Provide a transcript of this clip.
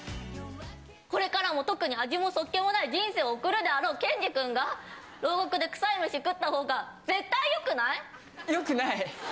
これからも特に味も素っ気もない人生を送るであろう、けんじ君が廊下で臭い飯を食ったほうが絶対よくない？